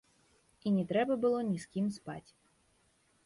І не трэба было ні з кім спаць.